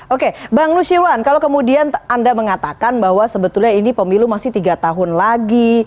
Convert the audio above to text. oke bang nusyiwan kalau kemudian anda mengatakan bahwa sebetulnya ini pemilu masih tiga tahun lagi